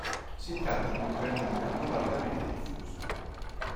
Si tratta di un prenome non largamente diffuso.